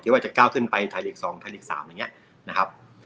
ที่ว่าจะก้าวขึ้นไปไทยหลีก๒ไทยหลีก๓เนี่ยนะครับ